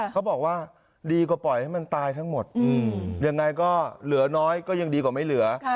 เขาบอกว่าดีกว่าปล่อยให้มันตายทั้งหมดยังไงก็เหลือน้อยก็ยังดีกว่าไม่เหลือ